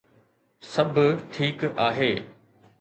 سڀ ٺيڪ آهي